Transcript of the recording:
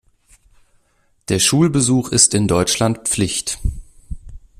Der Schulbesuch ist in Deutschland Pflicht.